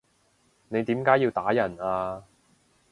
你點解要打人啊？